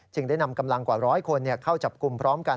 ได้นำกำลังกว่าร้อยคนเข้าจับกลุ่มพร้อมกัน